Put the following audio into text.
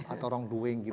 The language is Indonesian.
atau wrong doing gitu ya